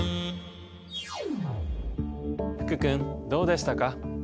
福君どうでしたか？